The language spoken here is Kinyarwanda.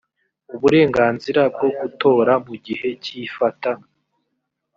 uburenganzira bwo gutora mu gihe cy ifata